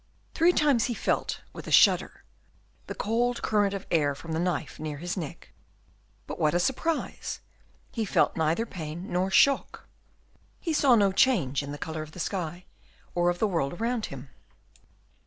Three times he felt, with a shudder, the cold current of air from the knife near his neck, but what a surprise! he felt neither pain nor shock. He saw no change in the colour of the sky, or of the world around him.